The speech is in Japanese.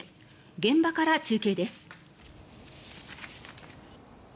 現場から中継です。